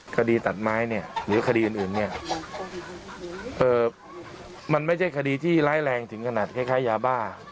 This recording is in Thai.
คดีตัดไม้เนี่ยหรือคดีอื่นเนี่ยมันไม่ใช่คดีที่ร้ายแรงถึงขนาดคล้ายยาบ้า